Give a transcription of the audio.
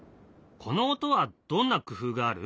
この音はどんな工夫がある？